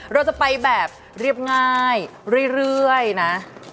เราจะไปแบบเรียบง่ายเรื่อยนะ